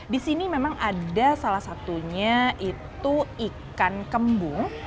di sini memang ada salah satunya itu ikan kembung